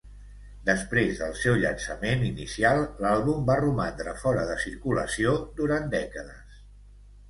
Després del seu llançament inicial, l'àlbum va romandre fora de circulació durant dècades.